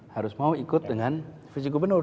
harus mau ikut dengan visi gubernur